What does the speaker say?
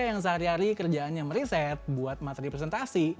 yang sehari hari kerjaannya mereset buat matri presentasi